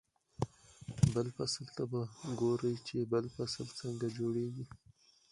بل فصل ته به ګوري چې بل فصل څنګه جوړېږي.